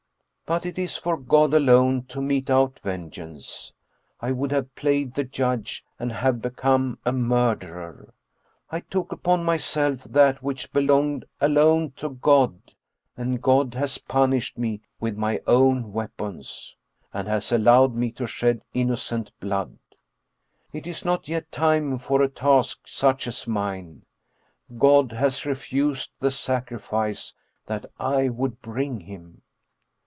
" But it is for God alone to mete out vengeance I would have played the judge and have become a murderer. I 81 German Mystery Stories took upon myself that which belonged alone to God, and God has punished me with my own weapons, and has al lowed me to shed innocent blood. It is not yet time for a task such as mine God has refused the sacrifice that I would bring him.